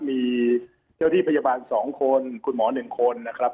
มีเจ้าที่พยาบาล๒คนคุณหมอ๑คนนะครับ